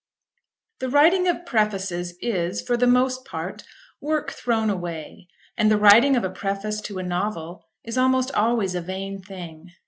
The writing of prefaces is, for the most part, work thrown away; and the writing of a preface to a novel is almost always a vain thing.